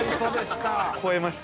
超えました。